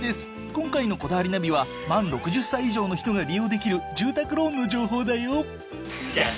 今回の『こだわりナビ』は満６０歳以上の人が利用できる住宅ローンの情報だよ。